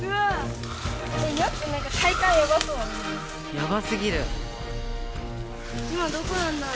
やばすぎる。